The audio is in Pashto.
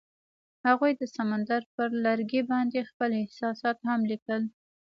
هغوی د سمندر پر لرګي باندې خپل احساسات هم لیکل.